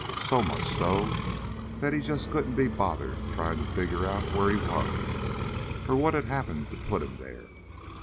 So much so that he just couldn't be bothered trying to figure out where he was, or what had happened to put him there.